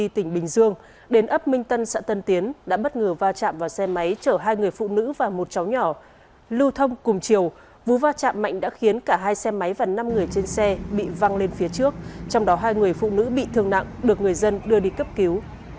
trong cùng chiều vú va chạm mạnh đã khiến cả hai xe máy và năm người trên xe bị văng lên phía trước trong đó hai người phụ nữ bị thương nặng được người dân đưa đi cấp cứu